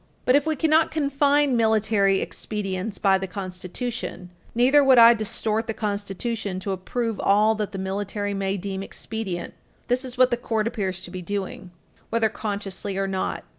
But if we cannot confine military expedients by the Constitution, neither would I distort the Constitution to approve all that the military may deem expedient. That is Page 323 U. S. 245 what the Court appears to be doing, whether consciously or not.